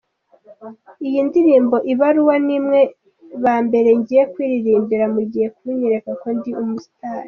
Iyi ndirimbo ‘Ibaruwa’ ni mwe ba mbere ngiye kuyiririmbira, mugiye kunyereka ko ndi umustar.